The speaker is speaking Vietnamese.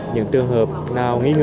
những trường hợp nào nghiêm trọng